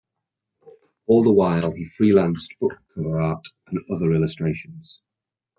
All the while he freelanced book-cover art and other illustrations.